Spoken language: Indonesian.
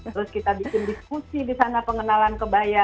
terus kita bikin diskusi di sana pengenalan kebaya